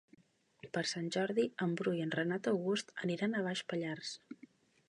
Per Sant Jordi en Bru i en Renat August aniran a Baix Pallars.